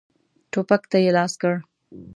ټوپک ته یې لاس کړ.